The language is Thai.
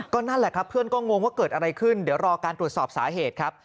นั่นแหละครับเพื่อนก็งงว่าเกิดอะไรขึ้นเดี๋ยวรอการตรวจสอบสาเหตุครับ